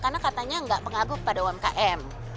karena katanya enggak pengaruh pada umkm